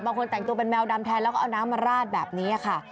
บางคนแต่งตัวเป็นแมวดำแทนแล้วก็เอาน้ำมาราดแบบนี้ค่ะ